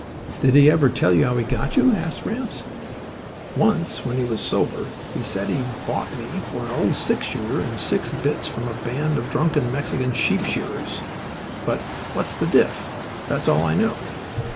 "Did he ever tell you how he got you?" asked Ranse. "Once when he was sober he said he bought me for an old six shooter and six bits from a band of drunken Mexican sheep shearers. But what's the diff? That's all I know."